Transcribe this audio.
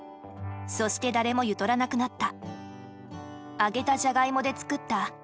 「そして誰もゆとらなくなった」。